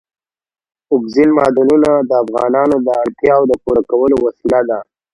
اوبزین معدنونه د افغانانو د اړتیاوو د پوره کولو وسیله ده.